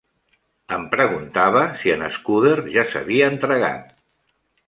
Em preguntava si en Scudder ja s'havia entregat.